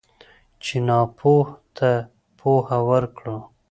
چې ناپوه ته پوهه ورکړو.